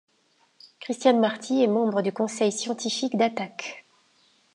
Christiane Marty est membre du conseil scientifique d'Attac.